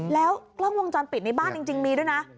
แล้วกล้องวงจรปิดในบ้านจริงมีด้วยนะ